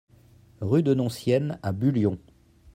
Rue de Noncienne à Bullion